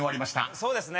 そうですね。